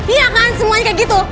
iya kan semuanya kayak gitu